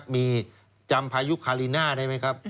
มีจำพายุคารีน่าได้ไหมครับ